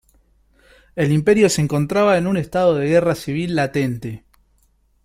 El Imperio se encontraba en un estado de guerra civil latente.